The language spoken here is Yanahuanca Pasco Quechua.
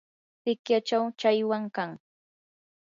sikyachaw challwam kan.